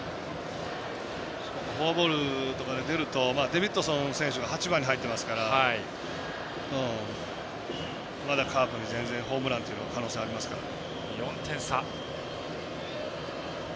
フォアボールとかで出るとデビッドソン選手が８番に入ってますからまだカープに、全然ホームランという可能性ありますからね。